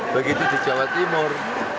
begitu di jawa timur